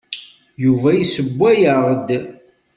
Yuba yessewway-aɣ-d.